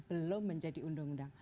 belum menjadi undang undang